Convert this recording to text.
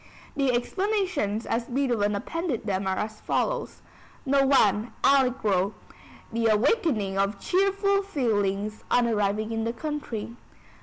The explanations as Beethoven appended them are as follows: No. I. Allegro: The awakening of cheerful feelings on arriving in the country.